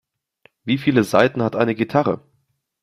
Wie viele Saiten hat eine Gitarre?